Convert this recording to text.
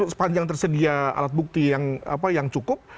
sepanjang tersedia alat bukti yang cukup